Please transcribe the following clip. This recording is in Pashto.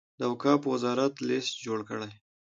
د اوقافو وزارت لست جوړ کړي.